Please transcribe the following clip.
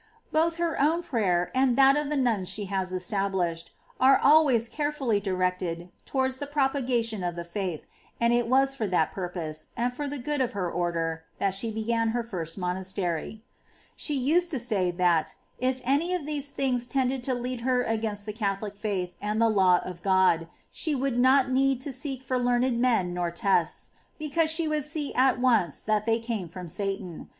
Both her own prayer, and that of the nuns she has established, are always carefully directed towards the propagation of the faith ; and it was for that purpose, and for the good of her Order, that she began her first monastery. 15. She used to say that, if any of these things tended to lead her against the Catholic faith and the law of God, she would not need to seek for learned men nor tests, be cause she would see at once that they came from Satan.